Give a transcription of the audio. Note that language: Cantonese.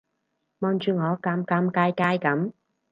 望住我尷尷尬尬噉